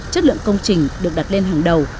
chất lượng công trình được đặt lên hàng đầu